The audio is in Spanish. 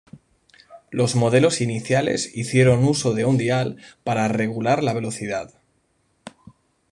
Los modelos iniciales hicieron uso de un dial para regular la velocidad.